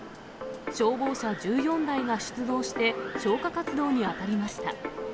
消防車１４台が出動して、消火活動に当たりました。